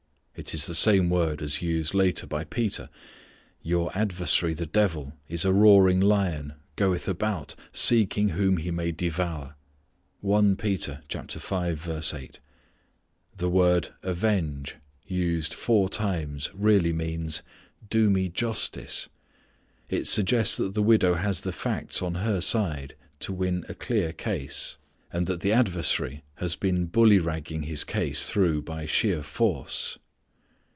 It is the same word as used later by Peter, "Your adversary the devil as a roaring lion, goeth about, seeking whom he may devour." The word "avenge" used four times really means, "do me justice." It suggests that the widow has the facts on her side to win a clear case, and that the adversary has been bully ragging his case through by sheer force.